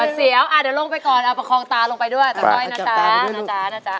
อ่ะเดี๋ยวลงไปก่อนเอาประคองตาลงไปด้วยตั๊กก้อยนะจ๊ะ